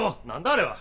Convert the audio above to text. あれは！